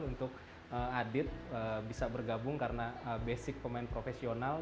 untuk adit bisa bergabung karena basic pemain profesional